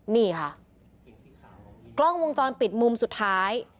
นี่ค่ะกล้องวงจรปิดมุมสุดท้าย